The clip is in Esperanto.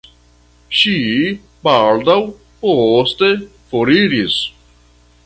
Ŝi baldaŭ poste foriris.